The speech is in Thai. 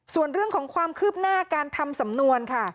ส่วนเรื่องของความคืบหน้าการทำสำนวนค่ะ